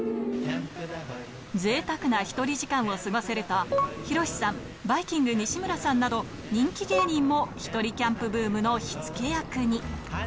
ぜいたくなひとり時間を過ごせると、ヒロシさん、ばいキング・西村さんなど、人気芸人もひとりキャンプブームの火つけ役に。